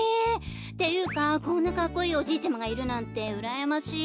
ていうかこんなかっこいいおじいちゃまがいるなんてうらやましい。